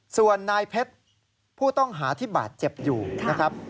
ส่วนนายเพชรผู้ต้องหาที่บาดเจ็บอยู่นะครับ